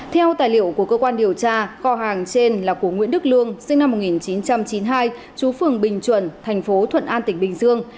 theo tài liệu của cơ quan điều tra kho hàng trên là của nguyễn đức lương sinh năm một nghìn chín trăm chín mươi hai chú phường bình chuẩn thành phố thuận an tỉnh bình dương